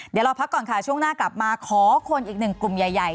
เดี๋ยวเราพักก่อนค่ะช่วงหน้ากลับมาขอคนอีกหนึ่งกลุ่มใหญ่